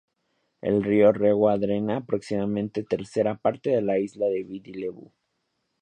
El río Rewa drena aproximadamente una tercera parte de la isla de Viti Levu.